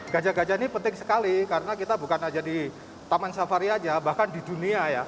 gajah gajah ini penting sekali karena kita bukan saja di taman safari aja bahkan di dunia ya